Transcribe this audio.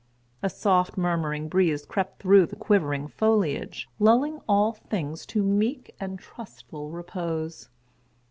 A soft, murmuring breeze crept through the quivering foliage, lulling all things to meek and trustful repose.